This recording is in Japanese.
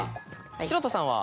城田さんは？